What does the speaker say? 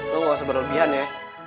lo gak usah berlebihan ya